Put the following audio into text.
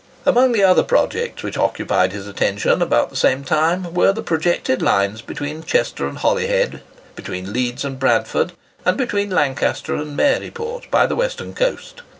Among the other projects which occupied his attention about the same time, were the projected lines between Chester and Holyhead, between Leeds and Bradford, and between Lancaster and Maryport by the western coast.